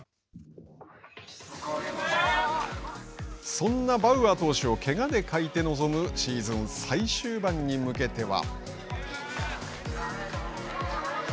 そんなバウアー投手をけがで欠いて臨むシーズン最終盤に向けては。